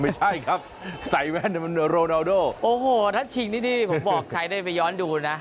ไม่ใช่ครับใส่แว่นมันโรนาโดโอ้โหถ้าชิงนี่นี่ผมบอกใครได้ไปย้อนดูนะ